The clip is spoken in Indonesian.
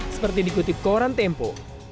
seperti dikutip koran tempo